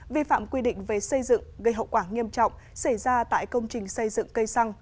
vi phạm quy định về xây dựng gây hậu quả nghiêm trọng xảy ra tại công trình xây dựng cây xăng